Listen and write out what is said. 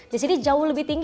di sini jauh lebih tinggi